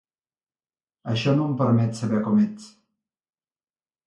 Això no em permet saber com ets.